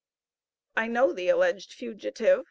I know the alleged fugitive.